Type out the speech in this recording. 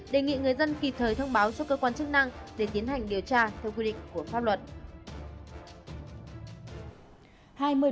đề nghị người dân kịp thời thông báo cho cơ quan chức năng để tiến hành điều tra theo quy định của pháp luật